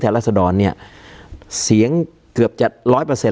การแสดงความคิดเห็น